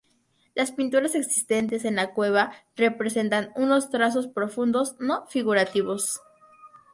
Las pinturas existentes en la cueva representan unos trazos profundos no figurativos.